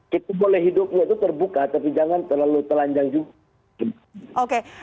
kita boleh hidupnya itu terbuka tapi jangan terlalu telanjang juga